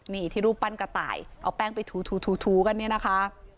นี่ที่รูปปั้นกระต่ายเอาแป้งไปถูกันเนี่ยนะคะ